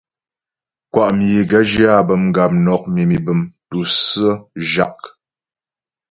Kwá myə é gaə̌ zhyə áa bə̌ gamnɔk, mimî bəm, tûsə̀ə, zhâk.